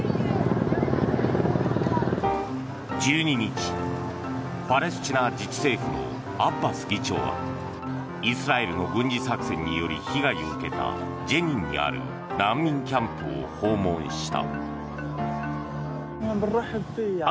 １２日、パレスチナ自治政府のアッバス議長はイスラエルの軍事作戦により被害を受けたジェニンにある難民キャンプを訪問した。